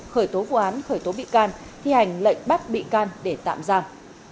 khởi tố vụ án khởi tố bị can thi hành lệnh bắt bị can để tạm giam